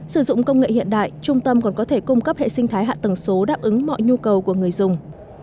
sử dụng công nghệ hiện đại trung tâm còn có thể cung cấp hệ sinh thái hạ tầng số đáp ứng mọi nhu cầu của người dùng